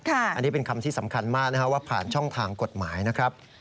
อันนี้เป็นคำที่สำคัญมากนะครับว่าผ่านช่องทางกฎหมายนะครับ